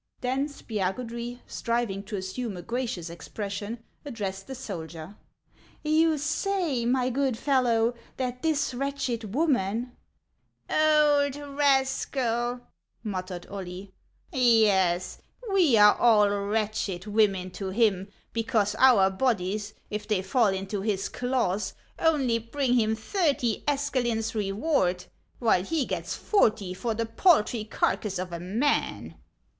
Then Spiagudry, striving to assume a gracious expres sion, addressed the soldier :" You say, my good fellow, that this wretched woman —"" Old rascal! " muttered Oily ; "yes, we are all 'wretched women,' to him, because our bodies, if they fall into his 1 Name of the Throndhjem morgue. 28 HANS OF ICELAND. claws, only bring him thirty escalins' reward, while he gets forty for the paltry carcass of a man."